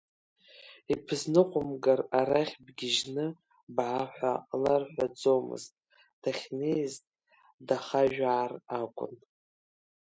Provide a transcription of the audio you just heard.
Ибызныҟәымгар, арахь бгьежьны баа ҳәа ларҳәаӡомызт, дахьнеиз дахажәаар акәын.